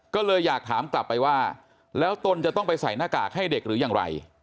ก็เลยอยากถามกลับไปว่าแล้วตนจะต้องไปใส่หน้ากากให้เด็กหรืออย่างไร